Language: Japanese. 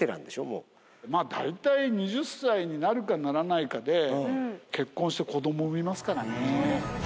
まあ大体２０歳になるかならないかで結婚して子ども産みますからね。